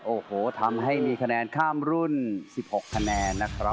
โอ้โหทำให้มีคะแนนข้ามรุ่น๑๖คะแนนนะครับ